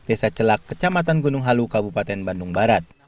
desa celak kecamatan gunung halu kabupaten bandung barat